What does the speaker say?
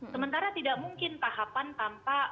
sementara tidak mungkin tahapan tanpa